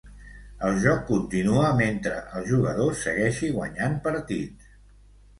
El joc continua mentre el jugador segueixi guanyant partits.